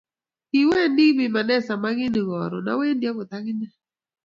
Kiwendi biname samakinik karon awendi agot agine